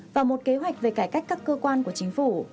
và một kế hoạch về cải cách các cơ quan của chính phủ